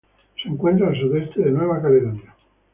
Se encuentra al sudeste de Nueva Caledonia.